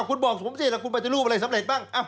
คุณบอกผมสิแล้วคุณปฏิรูปอะไรสำเร็จบ้าง